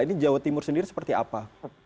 ini jawa timur sendiri seperti apa